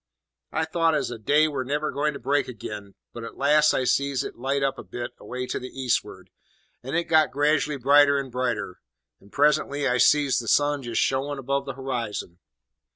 "I thought as day were never going to break ag'in; but at last I sees it light up a bit away to the east'ard, and it got grad'ally brighter and brighter; and presently I sees the sun just showin' above the horizon.